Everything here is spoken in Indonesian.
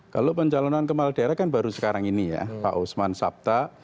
kalau pencalonan kepala daerah kan baru sekarang ini ya pak usman sabta